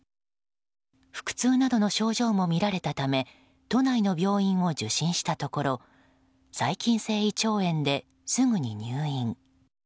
腹痛などの症状も見られたため都内の病院を受診したところ細菌性胃腸炎ですぐに入院。